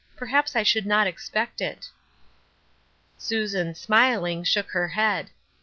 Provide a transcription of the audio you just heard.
Perhaps I should not expect it." Susan, smiling, shook her head.